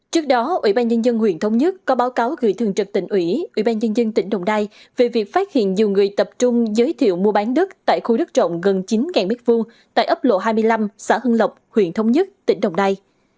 trước đó ủy ban nhân dân huyện thống nhất có báo cáo gửi thường trực tỉnh ủy ủy ban nhân dân tỉnh đồng nai về việc phát hiện nhiều người tập trung giới thiệu mua bán đất tại khu đất rộng gần chín m hai tại ấp lộ hai mươi năm xã hưng lộc huyện thống nhất tỉnh đồng nai